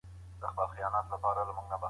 ډېر سو ،خدای دي ښه که راته